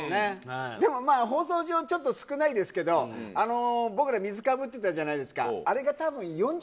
でも放送上、少ないですけど、僕ら、水かぶってたじゃないですか。